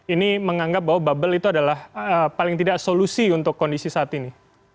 ini menganggap bahwa bubble itu adalah paling tidak solusi untuk kondisi saat ini